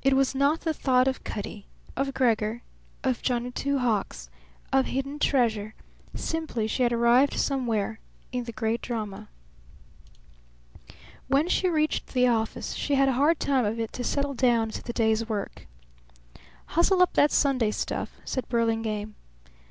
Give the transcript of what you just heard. It was not the thought of Cutty, of Gregor, of Johnny Two Hawks, of hidden treasure; simply she had arrived somewhere in the great drama. When she reached the office she had a hard time of it to settle down to the day's work. "Hustle up that Sunday stuff," said Burlingame.